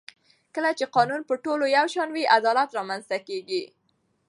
کله چې قانون پر ټولو یو شان وي عدالت رامنځته کېږي